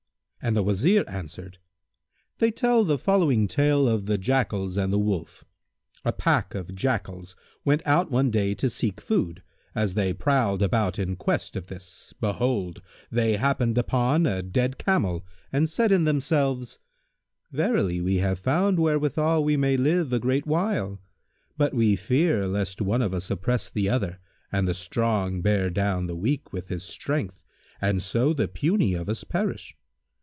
and the Wazir answered, "They tell the following tale of The Jackals and the Wolf. A pack of Jackals[FN#155] went out one day to seek food, and as they prowled about in quest of this, behold, they happened upon a dead camel and said in themselves, "Verily we have found wherewithal we may live a great while; but we fear lest one of us oppress the other and the strong bear down the weak with his strength and so the puny of us perish.